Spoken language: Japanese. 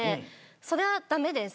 「それはダメです」？